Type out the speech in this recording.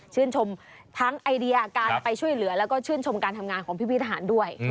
ชมทั้งไอเดียการไปช่วยเหลือแล้วก็ชื่นชมการทำงานของพี่ทหารด้วย